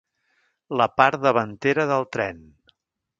La part davantera del tren.